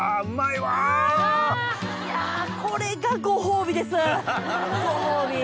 いやこれがご褒美ですご褒美。